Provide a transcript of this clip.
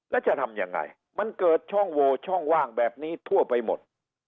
แล้วจะทำยังไงมันเกิดช่องโวช่องว่างแบบนี้ทั่วไปหมด